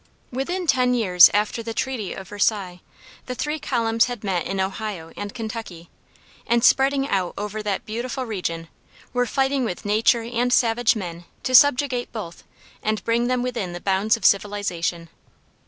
Within ten years after the treaty of Versailles, the three columns had met in Ohio and Kentucky, and spreading out over that beautiful region, were fighting with nature and savage men to subjugate both and bring them within the bounds of civilization.